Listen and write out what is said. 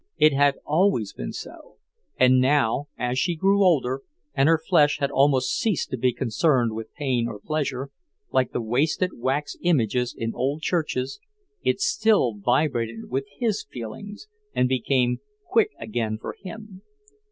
It had always been so. And now, as she grew older, and her flesh had almost ceased to be concerned with pain or pleasure, like the wasted wax images in old churches, it still vibrated with his feelings and became quick again for him.